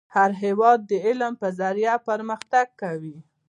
هر هیواد د علم په ذریعه پرمختګ کوي .